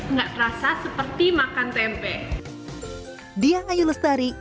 nggak terasa seperti makan tempe